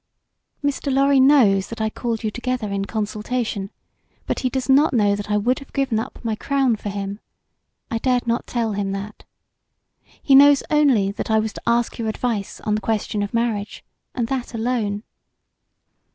"Mr. Lorry knows that I called you together in consultation, but he does not know that I would have given up my crown for him. I dared not tell him that. He knows only that I was to ask your advice on the question of marriage, and that alone.